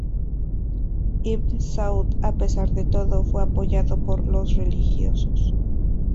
Ibn Saúd, a pesar de todo, fue apoyado por los religiosos.